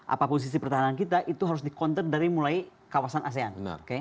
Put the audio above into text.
apa posisi pertahanan kita itu harus di counter dari mulai kawasan asean